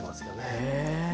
へえ！